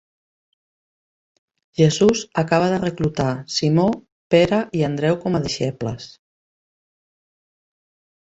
Jesús acaba de reclutar Simó Pere i Andreu com a deixebles.